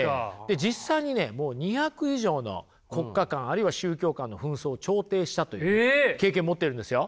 実際にねもう２００以上の国家間あるいは宗教間の紛争を調停したという経験持ってるんですよ。